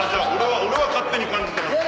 俺は勝手に感じた。